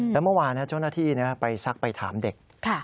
แล้วเมื่อวานเจ้าหน้าที่ไปซักไปถามเด็ก